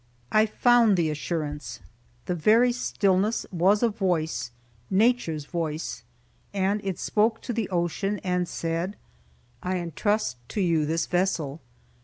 I found the assurance. The very stillness was a voice nature's voice; and it spoke to the ocean and said, "I entrust to you this vessel.